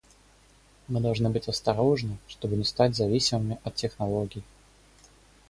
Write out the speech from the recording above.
Мы должны быть осторожны, чтобы не стать зависимыми от технологий.